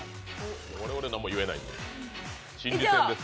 我々、なんも言えないんで心理戦です。